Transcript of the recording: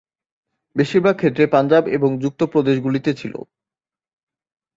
বেশিরভাগ ক্ষেত্রে পাঞ্জাব এবং যুক্ত প্রদেশগুলিতে ছিল।